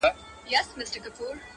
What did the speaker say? • هر وختي ته نـــژدې كـيــږي دا؛